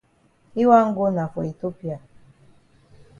Yi wan go na for Ethiopia.